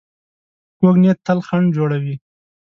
کوږ نیت تل خنډ جوړوي